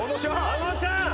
あのちゃん！